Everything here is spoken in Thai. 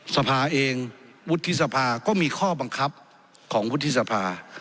สภาเองวุฒิสภาก็มีข้อบังคับของวุฒิสภา